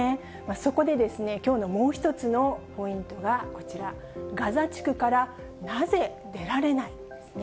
そこで、きょうのもう一つのポイントがこちら、ガザ地区からなぜ出られない？ですね。